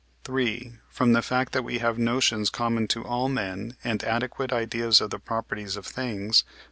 (3.) From the fact that we have notions common to all men, and adequate ideas of the properties of things (II.